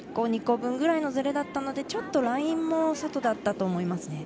１個、２個分くらいのずれなのでちょっとラインも外だったと思います。